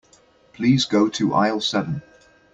Please go to aisle seven.